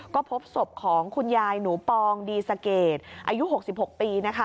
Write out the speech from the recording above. ก็พบศพของคุณยายหนูปองดีสะเกดอายุ๖๖ปี